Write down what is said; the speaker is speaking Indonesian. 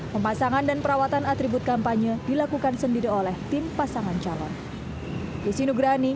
pemasangan dan perawatan atribut kampanye dilakukan sendiri oleh tim pasangan calon